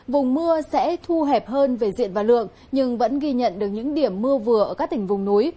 vùng mưa sẽ thu hẹp hơn về diện và lượng nhưng vẫn ghi nhận được những điểm mưa vừa ở các tỉnh vùng núi